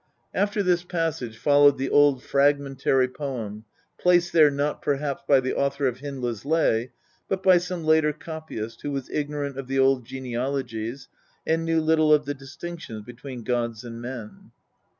After this passage followed the old fragmentary poem, placed there, not perhaps by the author of Hyndla's Lay, but by some later copyist who was ignorant of the old genealogies, and knew little of the distinctions between gods and men.